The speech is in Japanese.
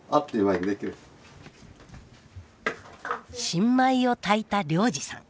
新米を炊いた良治さん。